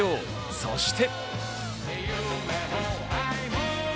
そして。